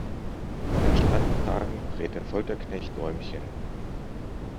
An entspannten Tagen dreht der Folterknecht Däumchen.